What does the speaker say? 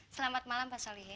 selamat malam pak solihin